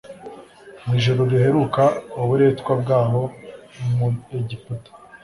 Mu ijoro riheruka uburetwa bwabo mu Egiputa,